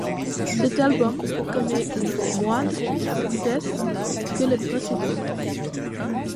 Cet album connaît un moindre succès que le précédent.